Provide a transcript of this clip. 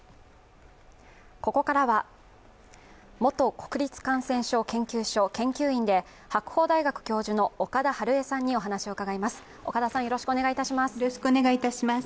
ここからは元国立感染症研究所研究員で白鴎大学教授の岡田晴恵さんにお話を伺います。